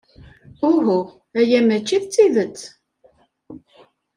Uhu, aya mačči d tidet.